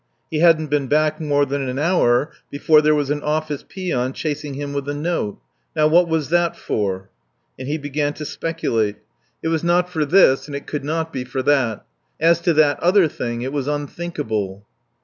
He hadn't been back more than an hour before there was an office peon chasing him with a note. Now what was that for? And he began to speculate. It was not for this and it could not be for that. As to that other thing it was unthinkable.